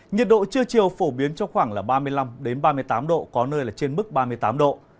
nhiệt độ trưa chiều phổ biến trong khoảng ba mươi năm ba mươi tám độ có nơi là trên mức ba mươi tám độ